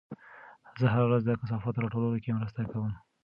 زه هره ورځ د کثافاتو راټولولو کې مرسته کوم.